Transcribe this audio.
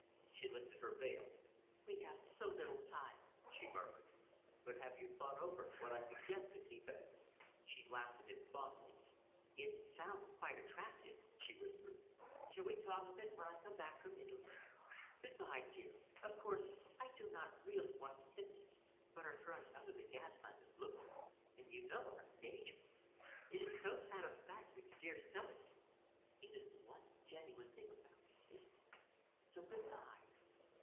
She lifted her veil. "We have so little time," she murmured. "But have you thought over what I suggested?" he begged. She laughed at him softly. "It sounds quite attractive," she whispered. "Shall we talk of it when I come back from Italy? Good by, dear! Of course, I do not really want to kiss you, but our friend under the gas lamp is looking and you know our engagement! It is so satisfactory to dear Mr. Selingman. It is the one genuine thing about us, isn't it? So good by!"